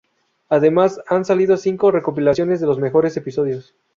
Además han salido cinco recopilaciones de los mejores episodios.